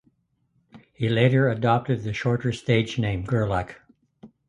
He later adopted the shorter stage name Gerlach.